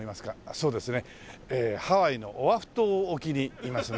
そうですねハワイのオアフ島沖にいますね。